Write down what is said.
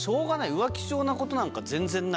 浮気性なことなんて全然ない。